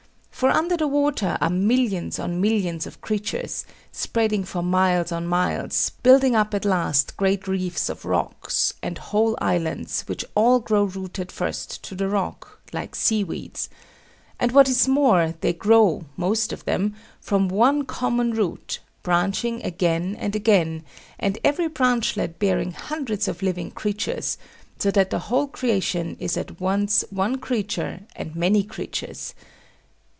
For under the water are millions on millions of creatures, spreading for miles on miles, building up at last great reefs of rocks, and whole islands, which all grow rooted first to the rock, like sea weeds; and what is more, they grow, most of them, from one common root, branching again and again, and every branchlet bearing hundreds of living creatures, so that the whole creation is at once one creature and many creatures.